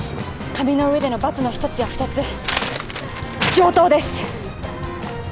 紙の上でのバツの一つや二つ上等です！